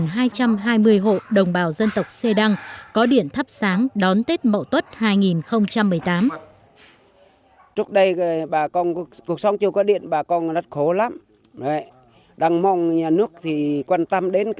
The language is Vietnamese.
một mươi hộ đồng bào dân tộc xê đăng có điện thắp sáng đón tết mậu tuất hai nghìn một mươi tám